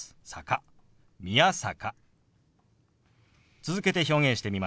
続けて表現してみます。